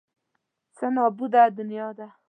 څه نابوده دنیا ده.